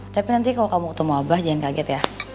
tapi nanti kalau kamu ketemu abah jangan kaget ya